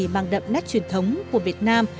mang đậm nét truyền thống của việt nam